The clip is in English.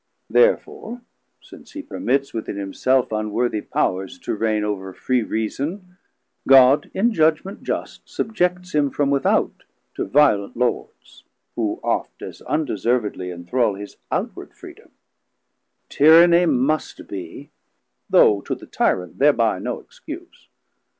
Therefore since hee permits 90 Within himself unworthie Powers to reign Over free Reason, God in Judgement just Subjects him from without to violent Lords; Who oft as undeservedly enthrall His outward freedom: Tyrannie must be, Though to the Tyrant thereby no excuse.